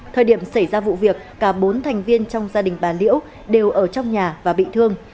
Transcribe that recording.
thời điểm xảy ra vụ việc cả bốn thành viên trong gia đình bà liễu đều ở trong nhà và bị thương